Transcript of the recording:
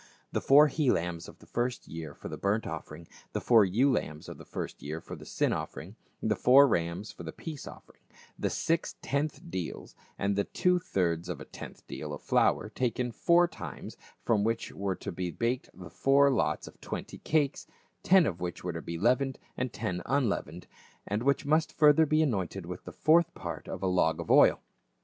The four he lambs of the first year for the burnt offering, the four ewe lambs of the first year for the sin offering, the four rams for the peace offering, the six tenth deals and the two thirds of a tenth deal of flour taken four times, from which were to be baked the four lots of twenty cakes, ten of which were to be leavened and ten unleavened, and which must further be anointed with the fourth part of a log of oil.